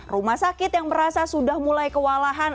rumah sakit yang merasa sudah mulai kewalahan